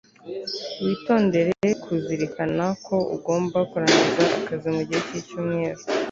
witondere kuzirikana ko ugomba kurangiza akazi mugihe cyicyumweru